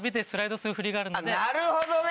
なるほどね！